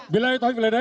bilai tohid biladah